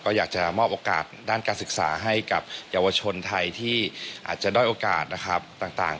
ก็อยากจะมอบโอกาสด้านการศึกษาให้กับเยาวชนไทยที่อาจจะด้อยโอกาสนะครับต่าง